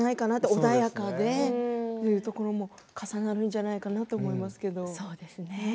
穏やかでというところも重なるじゃないかなと思いますけれど。